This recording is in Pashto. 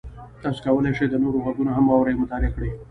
تاسو کولی شئ د نورو غږونه هم واورئ او مطالعه کړئ.